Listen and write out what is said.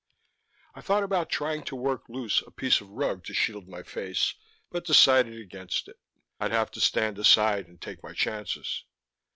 I thought about trying to work loose a piece of rug to shield my face, but decided against it. I'd have to stand aside and take my chances.